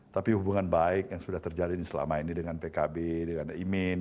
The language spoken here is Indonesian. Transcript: tapi hubungan baik yang sudah terjadi selama ini dengan pkb dengan imin